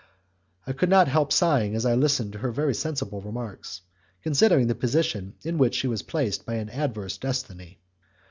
I could not help sighing as I listened to her very sensible remarks, considering the position in which she was placed by an adverse destiny.